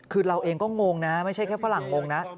คือเราเองก็งงนะไม่ใช่แค่ฝรั่งงงนะ